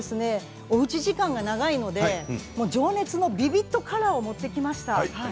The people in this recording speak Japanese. きょうはあえておうち時間が長いので情熱のビビッドカラーを持ってきました。